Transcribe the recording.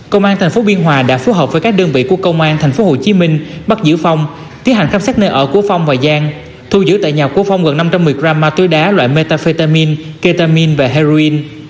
công an thành phố biên hòa đã phù hợp với các đơn vị của công an thành phố hồ chí minh bắt giữ phong thiết hành khám sát nơi ở của phong và giang thu giữ tại nhà của phong gần năm trăm một mươi g ma túy đá loại metafetamin ketamin và heroin